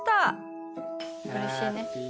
うれしいね。